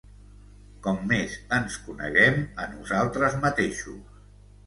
com més ens coneguem a nosaltres mateixos